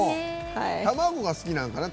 卵が好きなのかな？